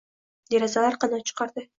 Derazalar qanot chiqardi